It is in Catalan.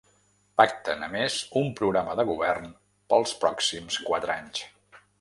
Pacten, a més, un programa de govern pels pròxims quatre anys.